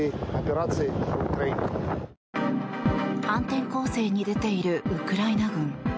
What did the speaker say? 反転攻勢に出ているウクライナ軍。